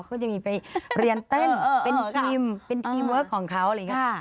เขาจะมีไปเรียนเต้นเป็นทีมเป็นทีมเวิร์คของเขาอะไรอย่างนี้